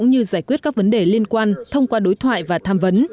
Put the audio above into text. như giải quyết các vấn đề liên quan thông qua đối thoại và tham vấn